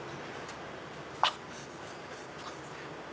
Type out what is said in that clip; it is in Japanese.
あっ。